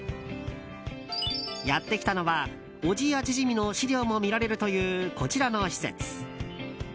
やってきたのは小千谷縮の資料も見られるというこちらの施設。